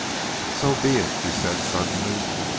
"So be it," he said suddenly.